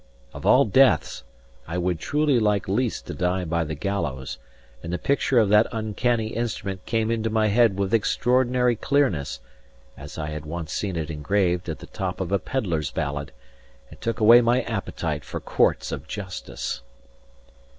Of all deaths, I would truly like least to die by the gallows; and the picture of that uncanny instrument came into my head with extraordinary clearness (as I had once seen it engraved at the top of a pedlar's ballad) and took away my appetite for courts of justice.